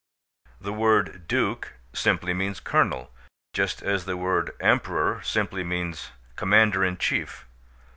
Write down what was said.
The word Duke simply means Colonel, just as the word Emperor simply means Commander in Chief.